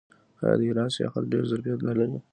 آیا د ایران سیاحت ډیر ظرفیت نلري؟